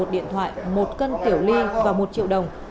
một điện thoại một cân tiểu ly và một triệu đồng